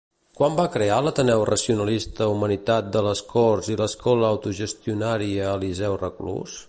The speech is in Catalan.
Quan va crear l'Ateneu racionalista Humanitat de Les Corts i l'Escola autogestionària Eliseu Reclús?